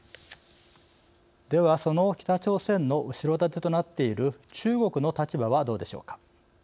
ではその北朝鮮の後ろ盾となっている中国の立場はどうでしょうか。